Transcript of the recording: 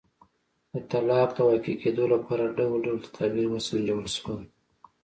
د طلاق د واقع کېدو لپاره ډول ډول تدابیر وسنجول شول.